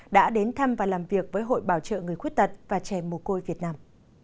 đã đến thăm và làm việc với hội bảo trợ người khuyết tật và trẻ mồ côi việt nam